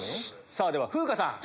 さぁでは風花さん。